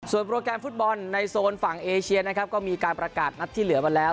โปรแกรมฟุตบอลในโซนฝั่งเอเชียนะครับก็มีการประกาศนัดที่เหลือมาแล้ว